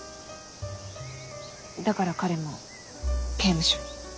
だから彼も刑務所に。